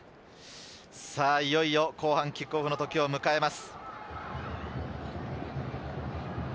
いよいよ後半キックオフの時を迎えます。